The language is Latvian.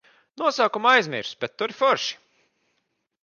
Nosaukumu aizmirsu, bet tur ir forši.